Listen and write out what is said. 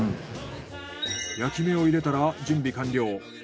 焼き目を入れたら準備完了。